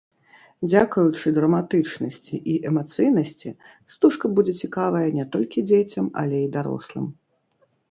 Дзякуючы драматычнасці і эмацыйнасці стужка будзе цікавая не толькі дзецям, але і дарослым.